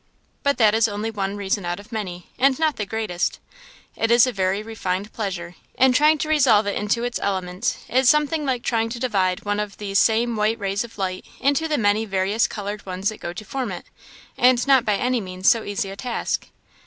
"But that is only one reason out of many, and not the greatest. It is a very refined pleasure, and to resolve it into its elements, is something like trying to divide one of these same white rays of light into the many various coloured ones that go to form it; and not by any means so easy a task."